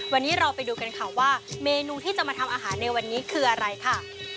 วันนี้เราไปดูกันค่ะว่าเมนูที่จะมาทำอาหารในวันนี้คืออะไรค่ะ